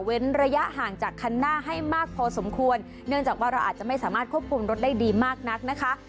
ระยะห่างจากคันหน้าให้มากพอสมควรเนื่องจากว่าเราอาจจะไม่สามารถควบคุมรถได้ดีมากนักนะคะ